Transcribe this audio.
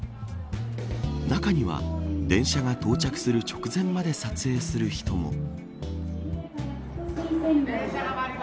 中には電車が到着する直前まで撮影する人も。